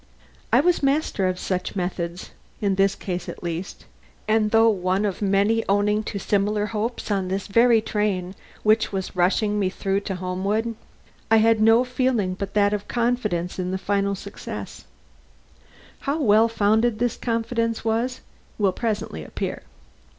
I was master of such methods (in this case at least), and though one of many owning to similar hopes on this very train which was rushing me through to Homewood, I had no feeling but that of confidence in a final success. How well founded this confidence was, will presently appear.